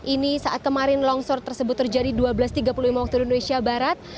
ini saat kemarin longsor tersebut terjadi dua belas tiga puluh lima waktu indonesia barat